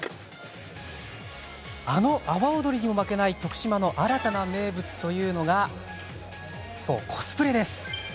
あの阿波踊りにも負けない徳島の新たな名物というのがそう、コスプレです。